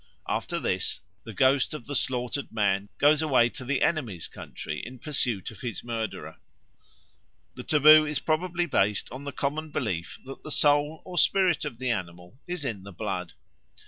After this the ghost of the slaughtered man goes away to the enemy's country in pursuit of his murderer. The taboo is probably based on the common belief that the soul or spirit of the animal is in the blood.